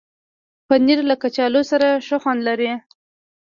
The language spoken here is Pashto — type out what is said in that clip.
پنېر له کچالو سره ښه خوند لري.